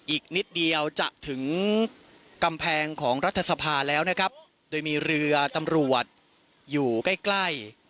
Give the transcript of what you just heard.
อีกนิดเดียวจะถึงกำแพงของรัฐสภาแล้วนะครับโดยมีเรือตำรวจอยู่ใกล้ใกล้